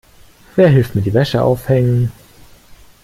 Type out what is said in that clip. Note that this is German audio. Wer hilft mir die Wäsche aufhängen?